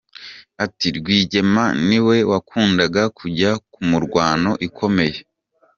Ati “Rwigema ni we wakundaga kujya ku mirwano ikomeye.